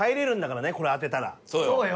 そうよ。